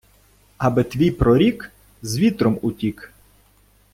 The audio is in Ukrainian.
Аби твій прорік з вітром утік!